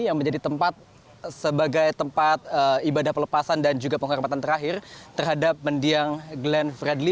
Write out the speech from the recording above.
yang menjadi tempat sebagai tempat ibadah pelepasan dan juga penghormatan terakhir terhadap mendiang glenn fredly